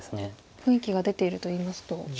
雰囲気が出ているといいますと。